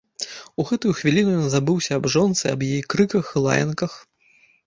У гэтую хвіліну ён забыўся аб жонцы, аб яе крыках і лаянках.